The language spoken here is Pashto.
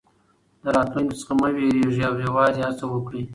له راتلونکي څخه مه وېرېږئ او یوازې هڅه وکړئ.